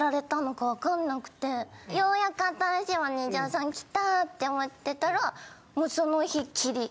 ようやく新しいマネジャーさん来たって思ってたらもうその日っきり。